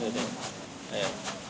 ええ。